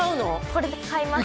これで買います